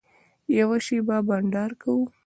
یوه شېبه بنډار کوو.